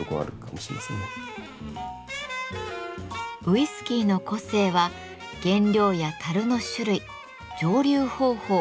ウイスキーの個性は原料や樽の種類蒸留方法